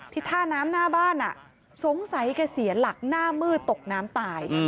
ท่าน้ำหน้าบ้านสงสัยแกเสียหลักหน้ามืดตกน้ำตาย